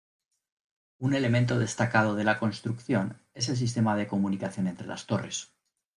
Un elemento destacado de la construcción es el sistema de comunicación entre las torres.